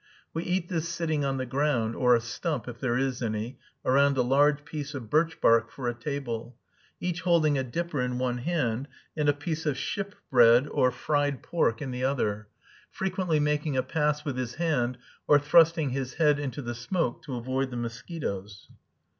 We eat this sitting on the ground, or a stump, if there is any, around a large piece of birch bark for a table, each holding a dipper in one hand and a piece of ship bread or fried pork in the other, frequently making a pass with his hand, or thrusting his head into the smoke, to avoid the mosquitoes.